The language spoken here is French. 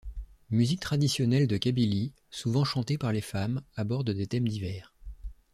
Musique traditionnelle de Kabylie, souvent chantée par les femmes, aborde des thèmes divers.